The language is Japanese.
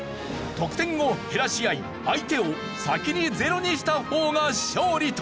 得点を減らし合い相手を先にゼロにした方が勝利となる。